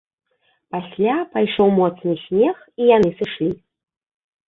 Пасля пайшоў моцны снег і яны сышлі.